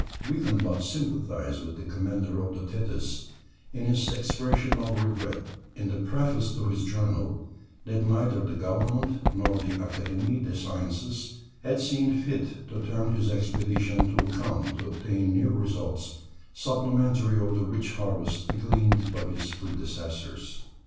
We can but sympathize with the commander of the Thetis, in his expression of regret, in the preface to his journal, that neither the Government nor the Académie des Sciences had seen fit to turn his expedition to account to obtain new results supplementary of the rich harvest gleaned by his predecessors.